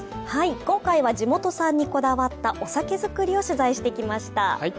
今回は地元産にこだわったお酒造りを取材してきました。